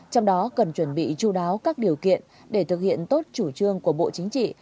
trong đó cần chuẩn bị chú đáo các điều kiện để thực hiện tốt chủ trương của bộ chính trị